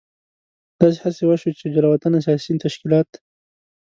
داسې هڅې وشوې چې جلا وطنه سیاسي تشکیلات.